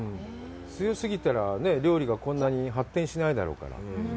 強すぎたら料理がこんなに発展しないだろうから。